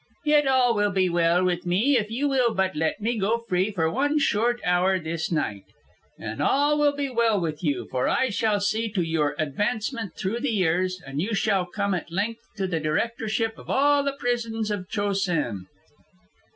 "Yet all will be well with me if you will but let me go free for one short hour this night. And all will be well with you, for I shall see to your advancement through the years, and you shall come at length to the directorship of all the prisons of Cho sen."